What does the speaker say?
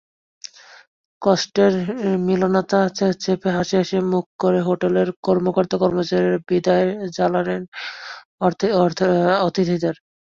কষ্টের মলিনতা চেপে হাসিহাসি মুখ করে হোটেলের কর্মকর্তা-কর্মচারীরা বিদায় জানালেন অতিথিদের।